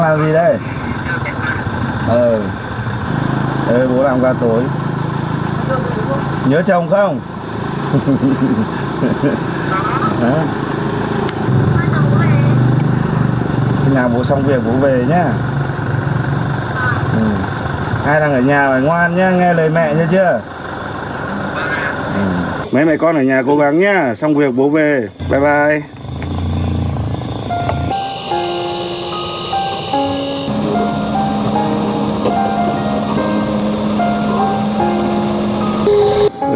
mẹ mẹ con ở nhà cố gắng nhé xong việc bố về bye bye